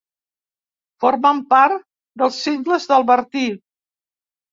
Formen part dels Cingles del Bertí.